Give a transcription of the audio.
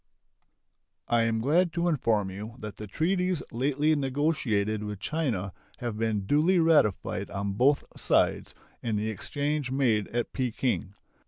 I am glad to inform you that the treaties lately negotiated with China have been duly ratified on both sides and the exchange made at Peking.